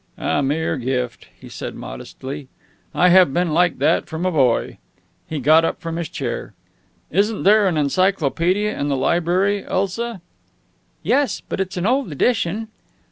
"A mere gift," he said modestly. "I have been like that from a boy." He got up from his chair. "Isn't there an encyclopaedia in the library, Elsa?" "Yes, but it's an old edition."